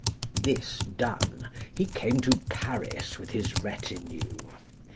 This done, he came to Paris with his retinue.